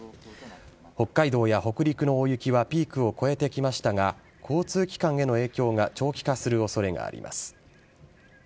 北海道や北陸の大雪はピークを越えてきましたが、交通機関への影響が長期化するおそれがあります。